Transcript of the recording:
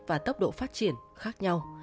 và tốc độ phát triển khác nhau